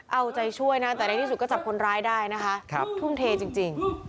เอาใจช่วยนะแต่ในที่สุดก็จับคนร้ายได้นะคะทุ่มเทจริง